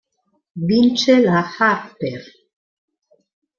Vince la Harper.